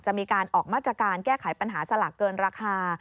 จะมีการออกมาตรการแก้ไขปัญหาสลากเกินราคา